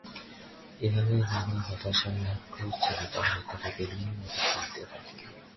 এভাবে নানা হতাশায় আক্রোশ যেন তার ভেতর বেলুনের মতো ফুলতে থাকে।